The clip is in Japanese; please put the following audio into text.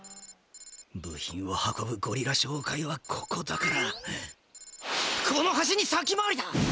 部品を運ぶゴリラ商会はここだからこの橋に先回りだ！